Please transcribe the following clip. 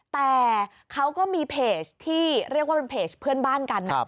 แต่เขาก็มีเพจที่เรียกว่าเป็นเพจเพื่อนบ้านกัน